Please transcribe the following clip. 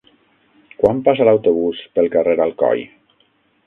Quan passa l'autobús pel carrer Alcoi?